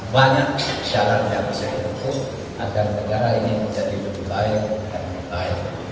banyak syarat yang bisa didukung agar negara ini menjadi lebih baik dan lebih baik